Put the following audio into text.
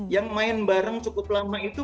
yang main bareng cukup lama itu